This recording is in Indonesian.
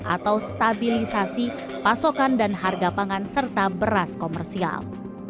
atau stabilisasi pasokan dan harga pangan serta beras komersial